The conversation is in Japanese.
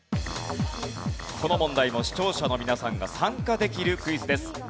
この問題も視聴者の皆さんが参加できるクイズです。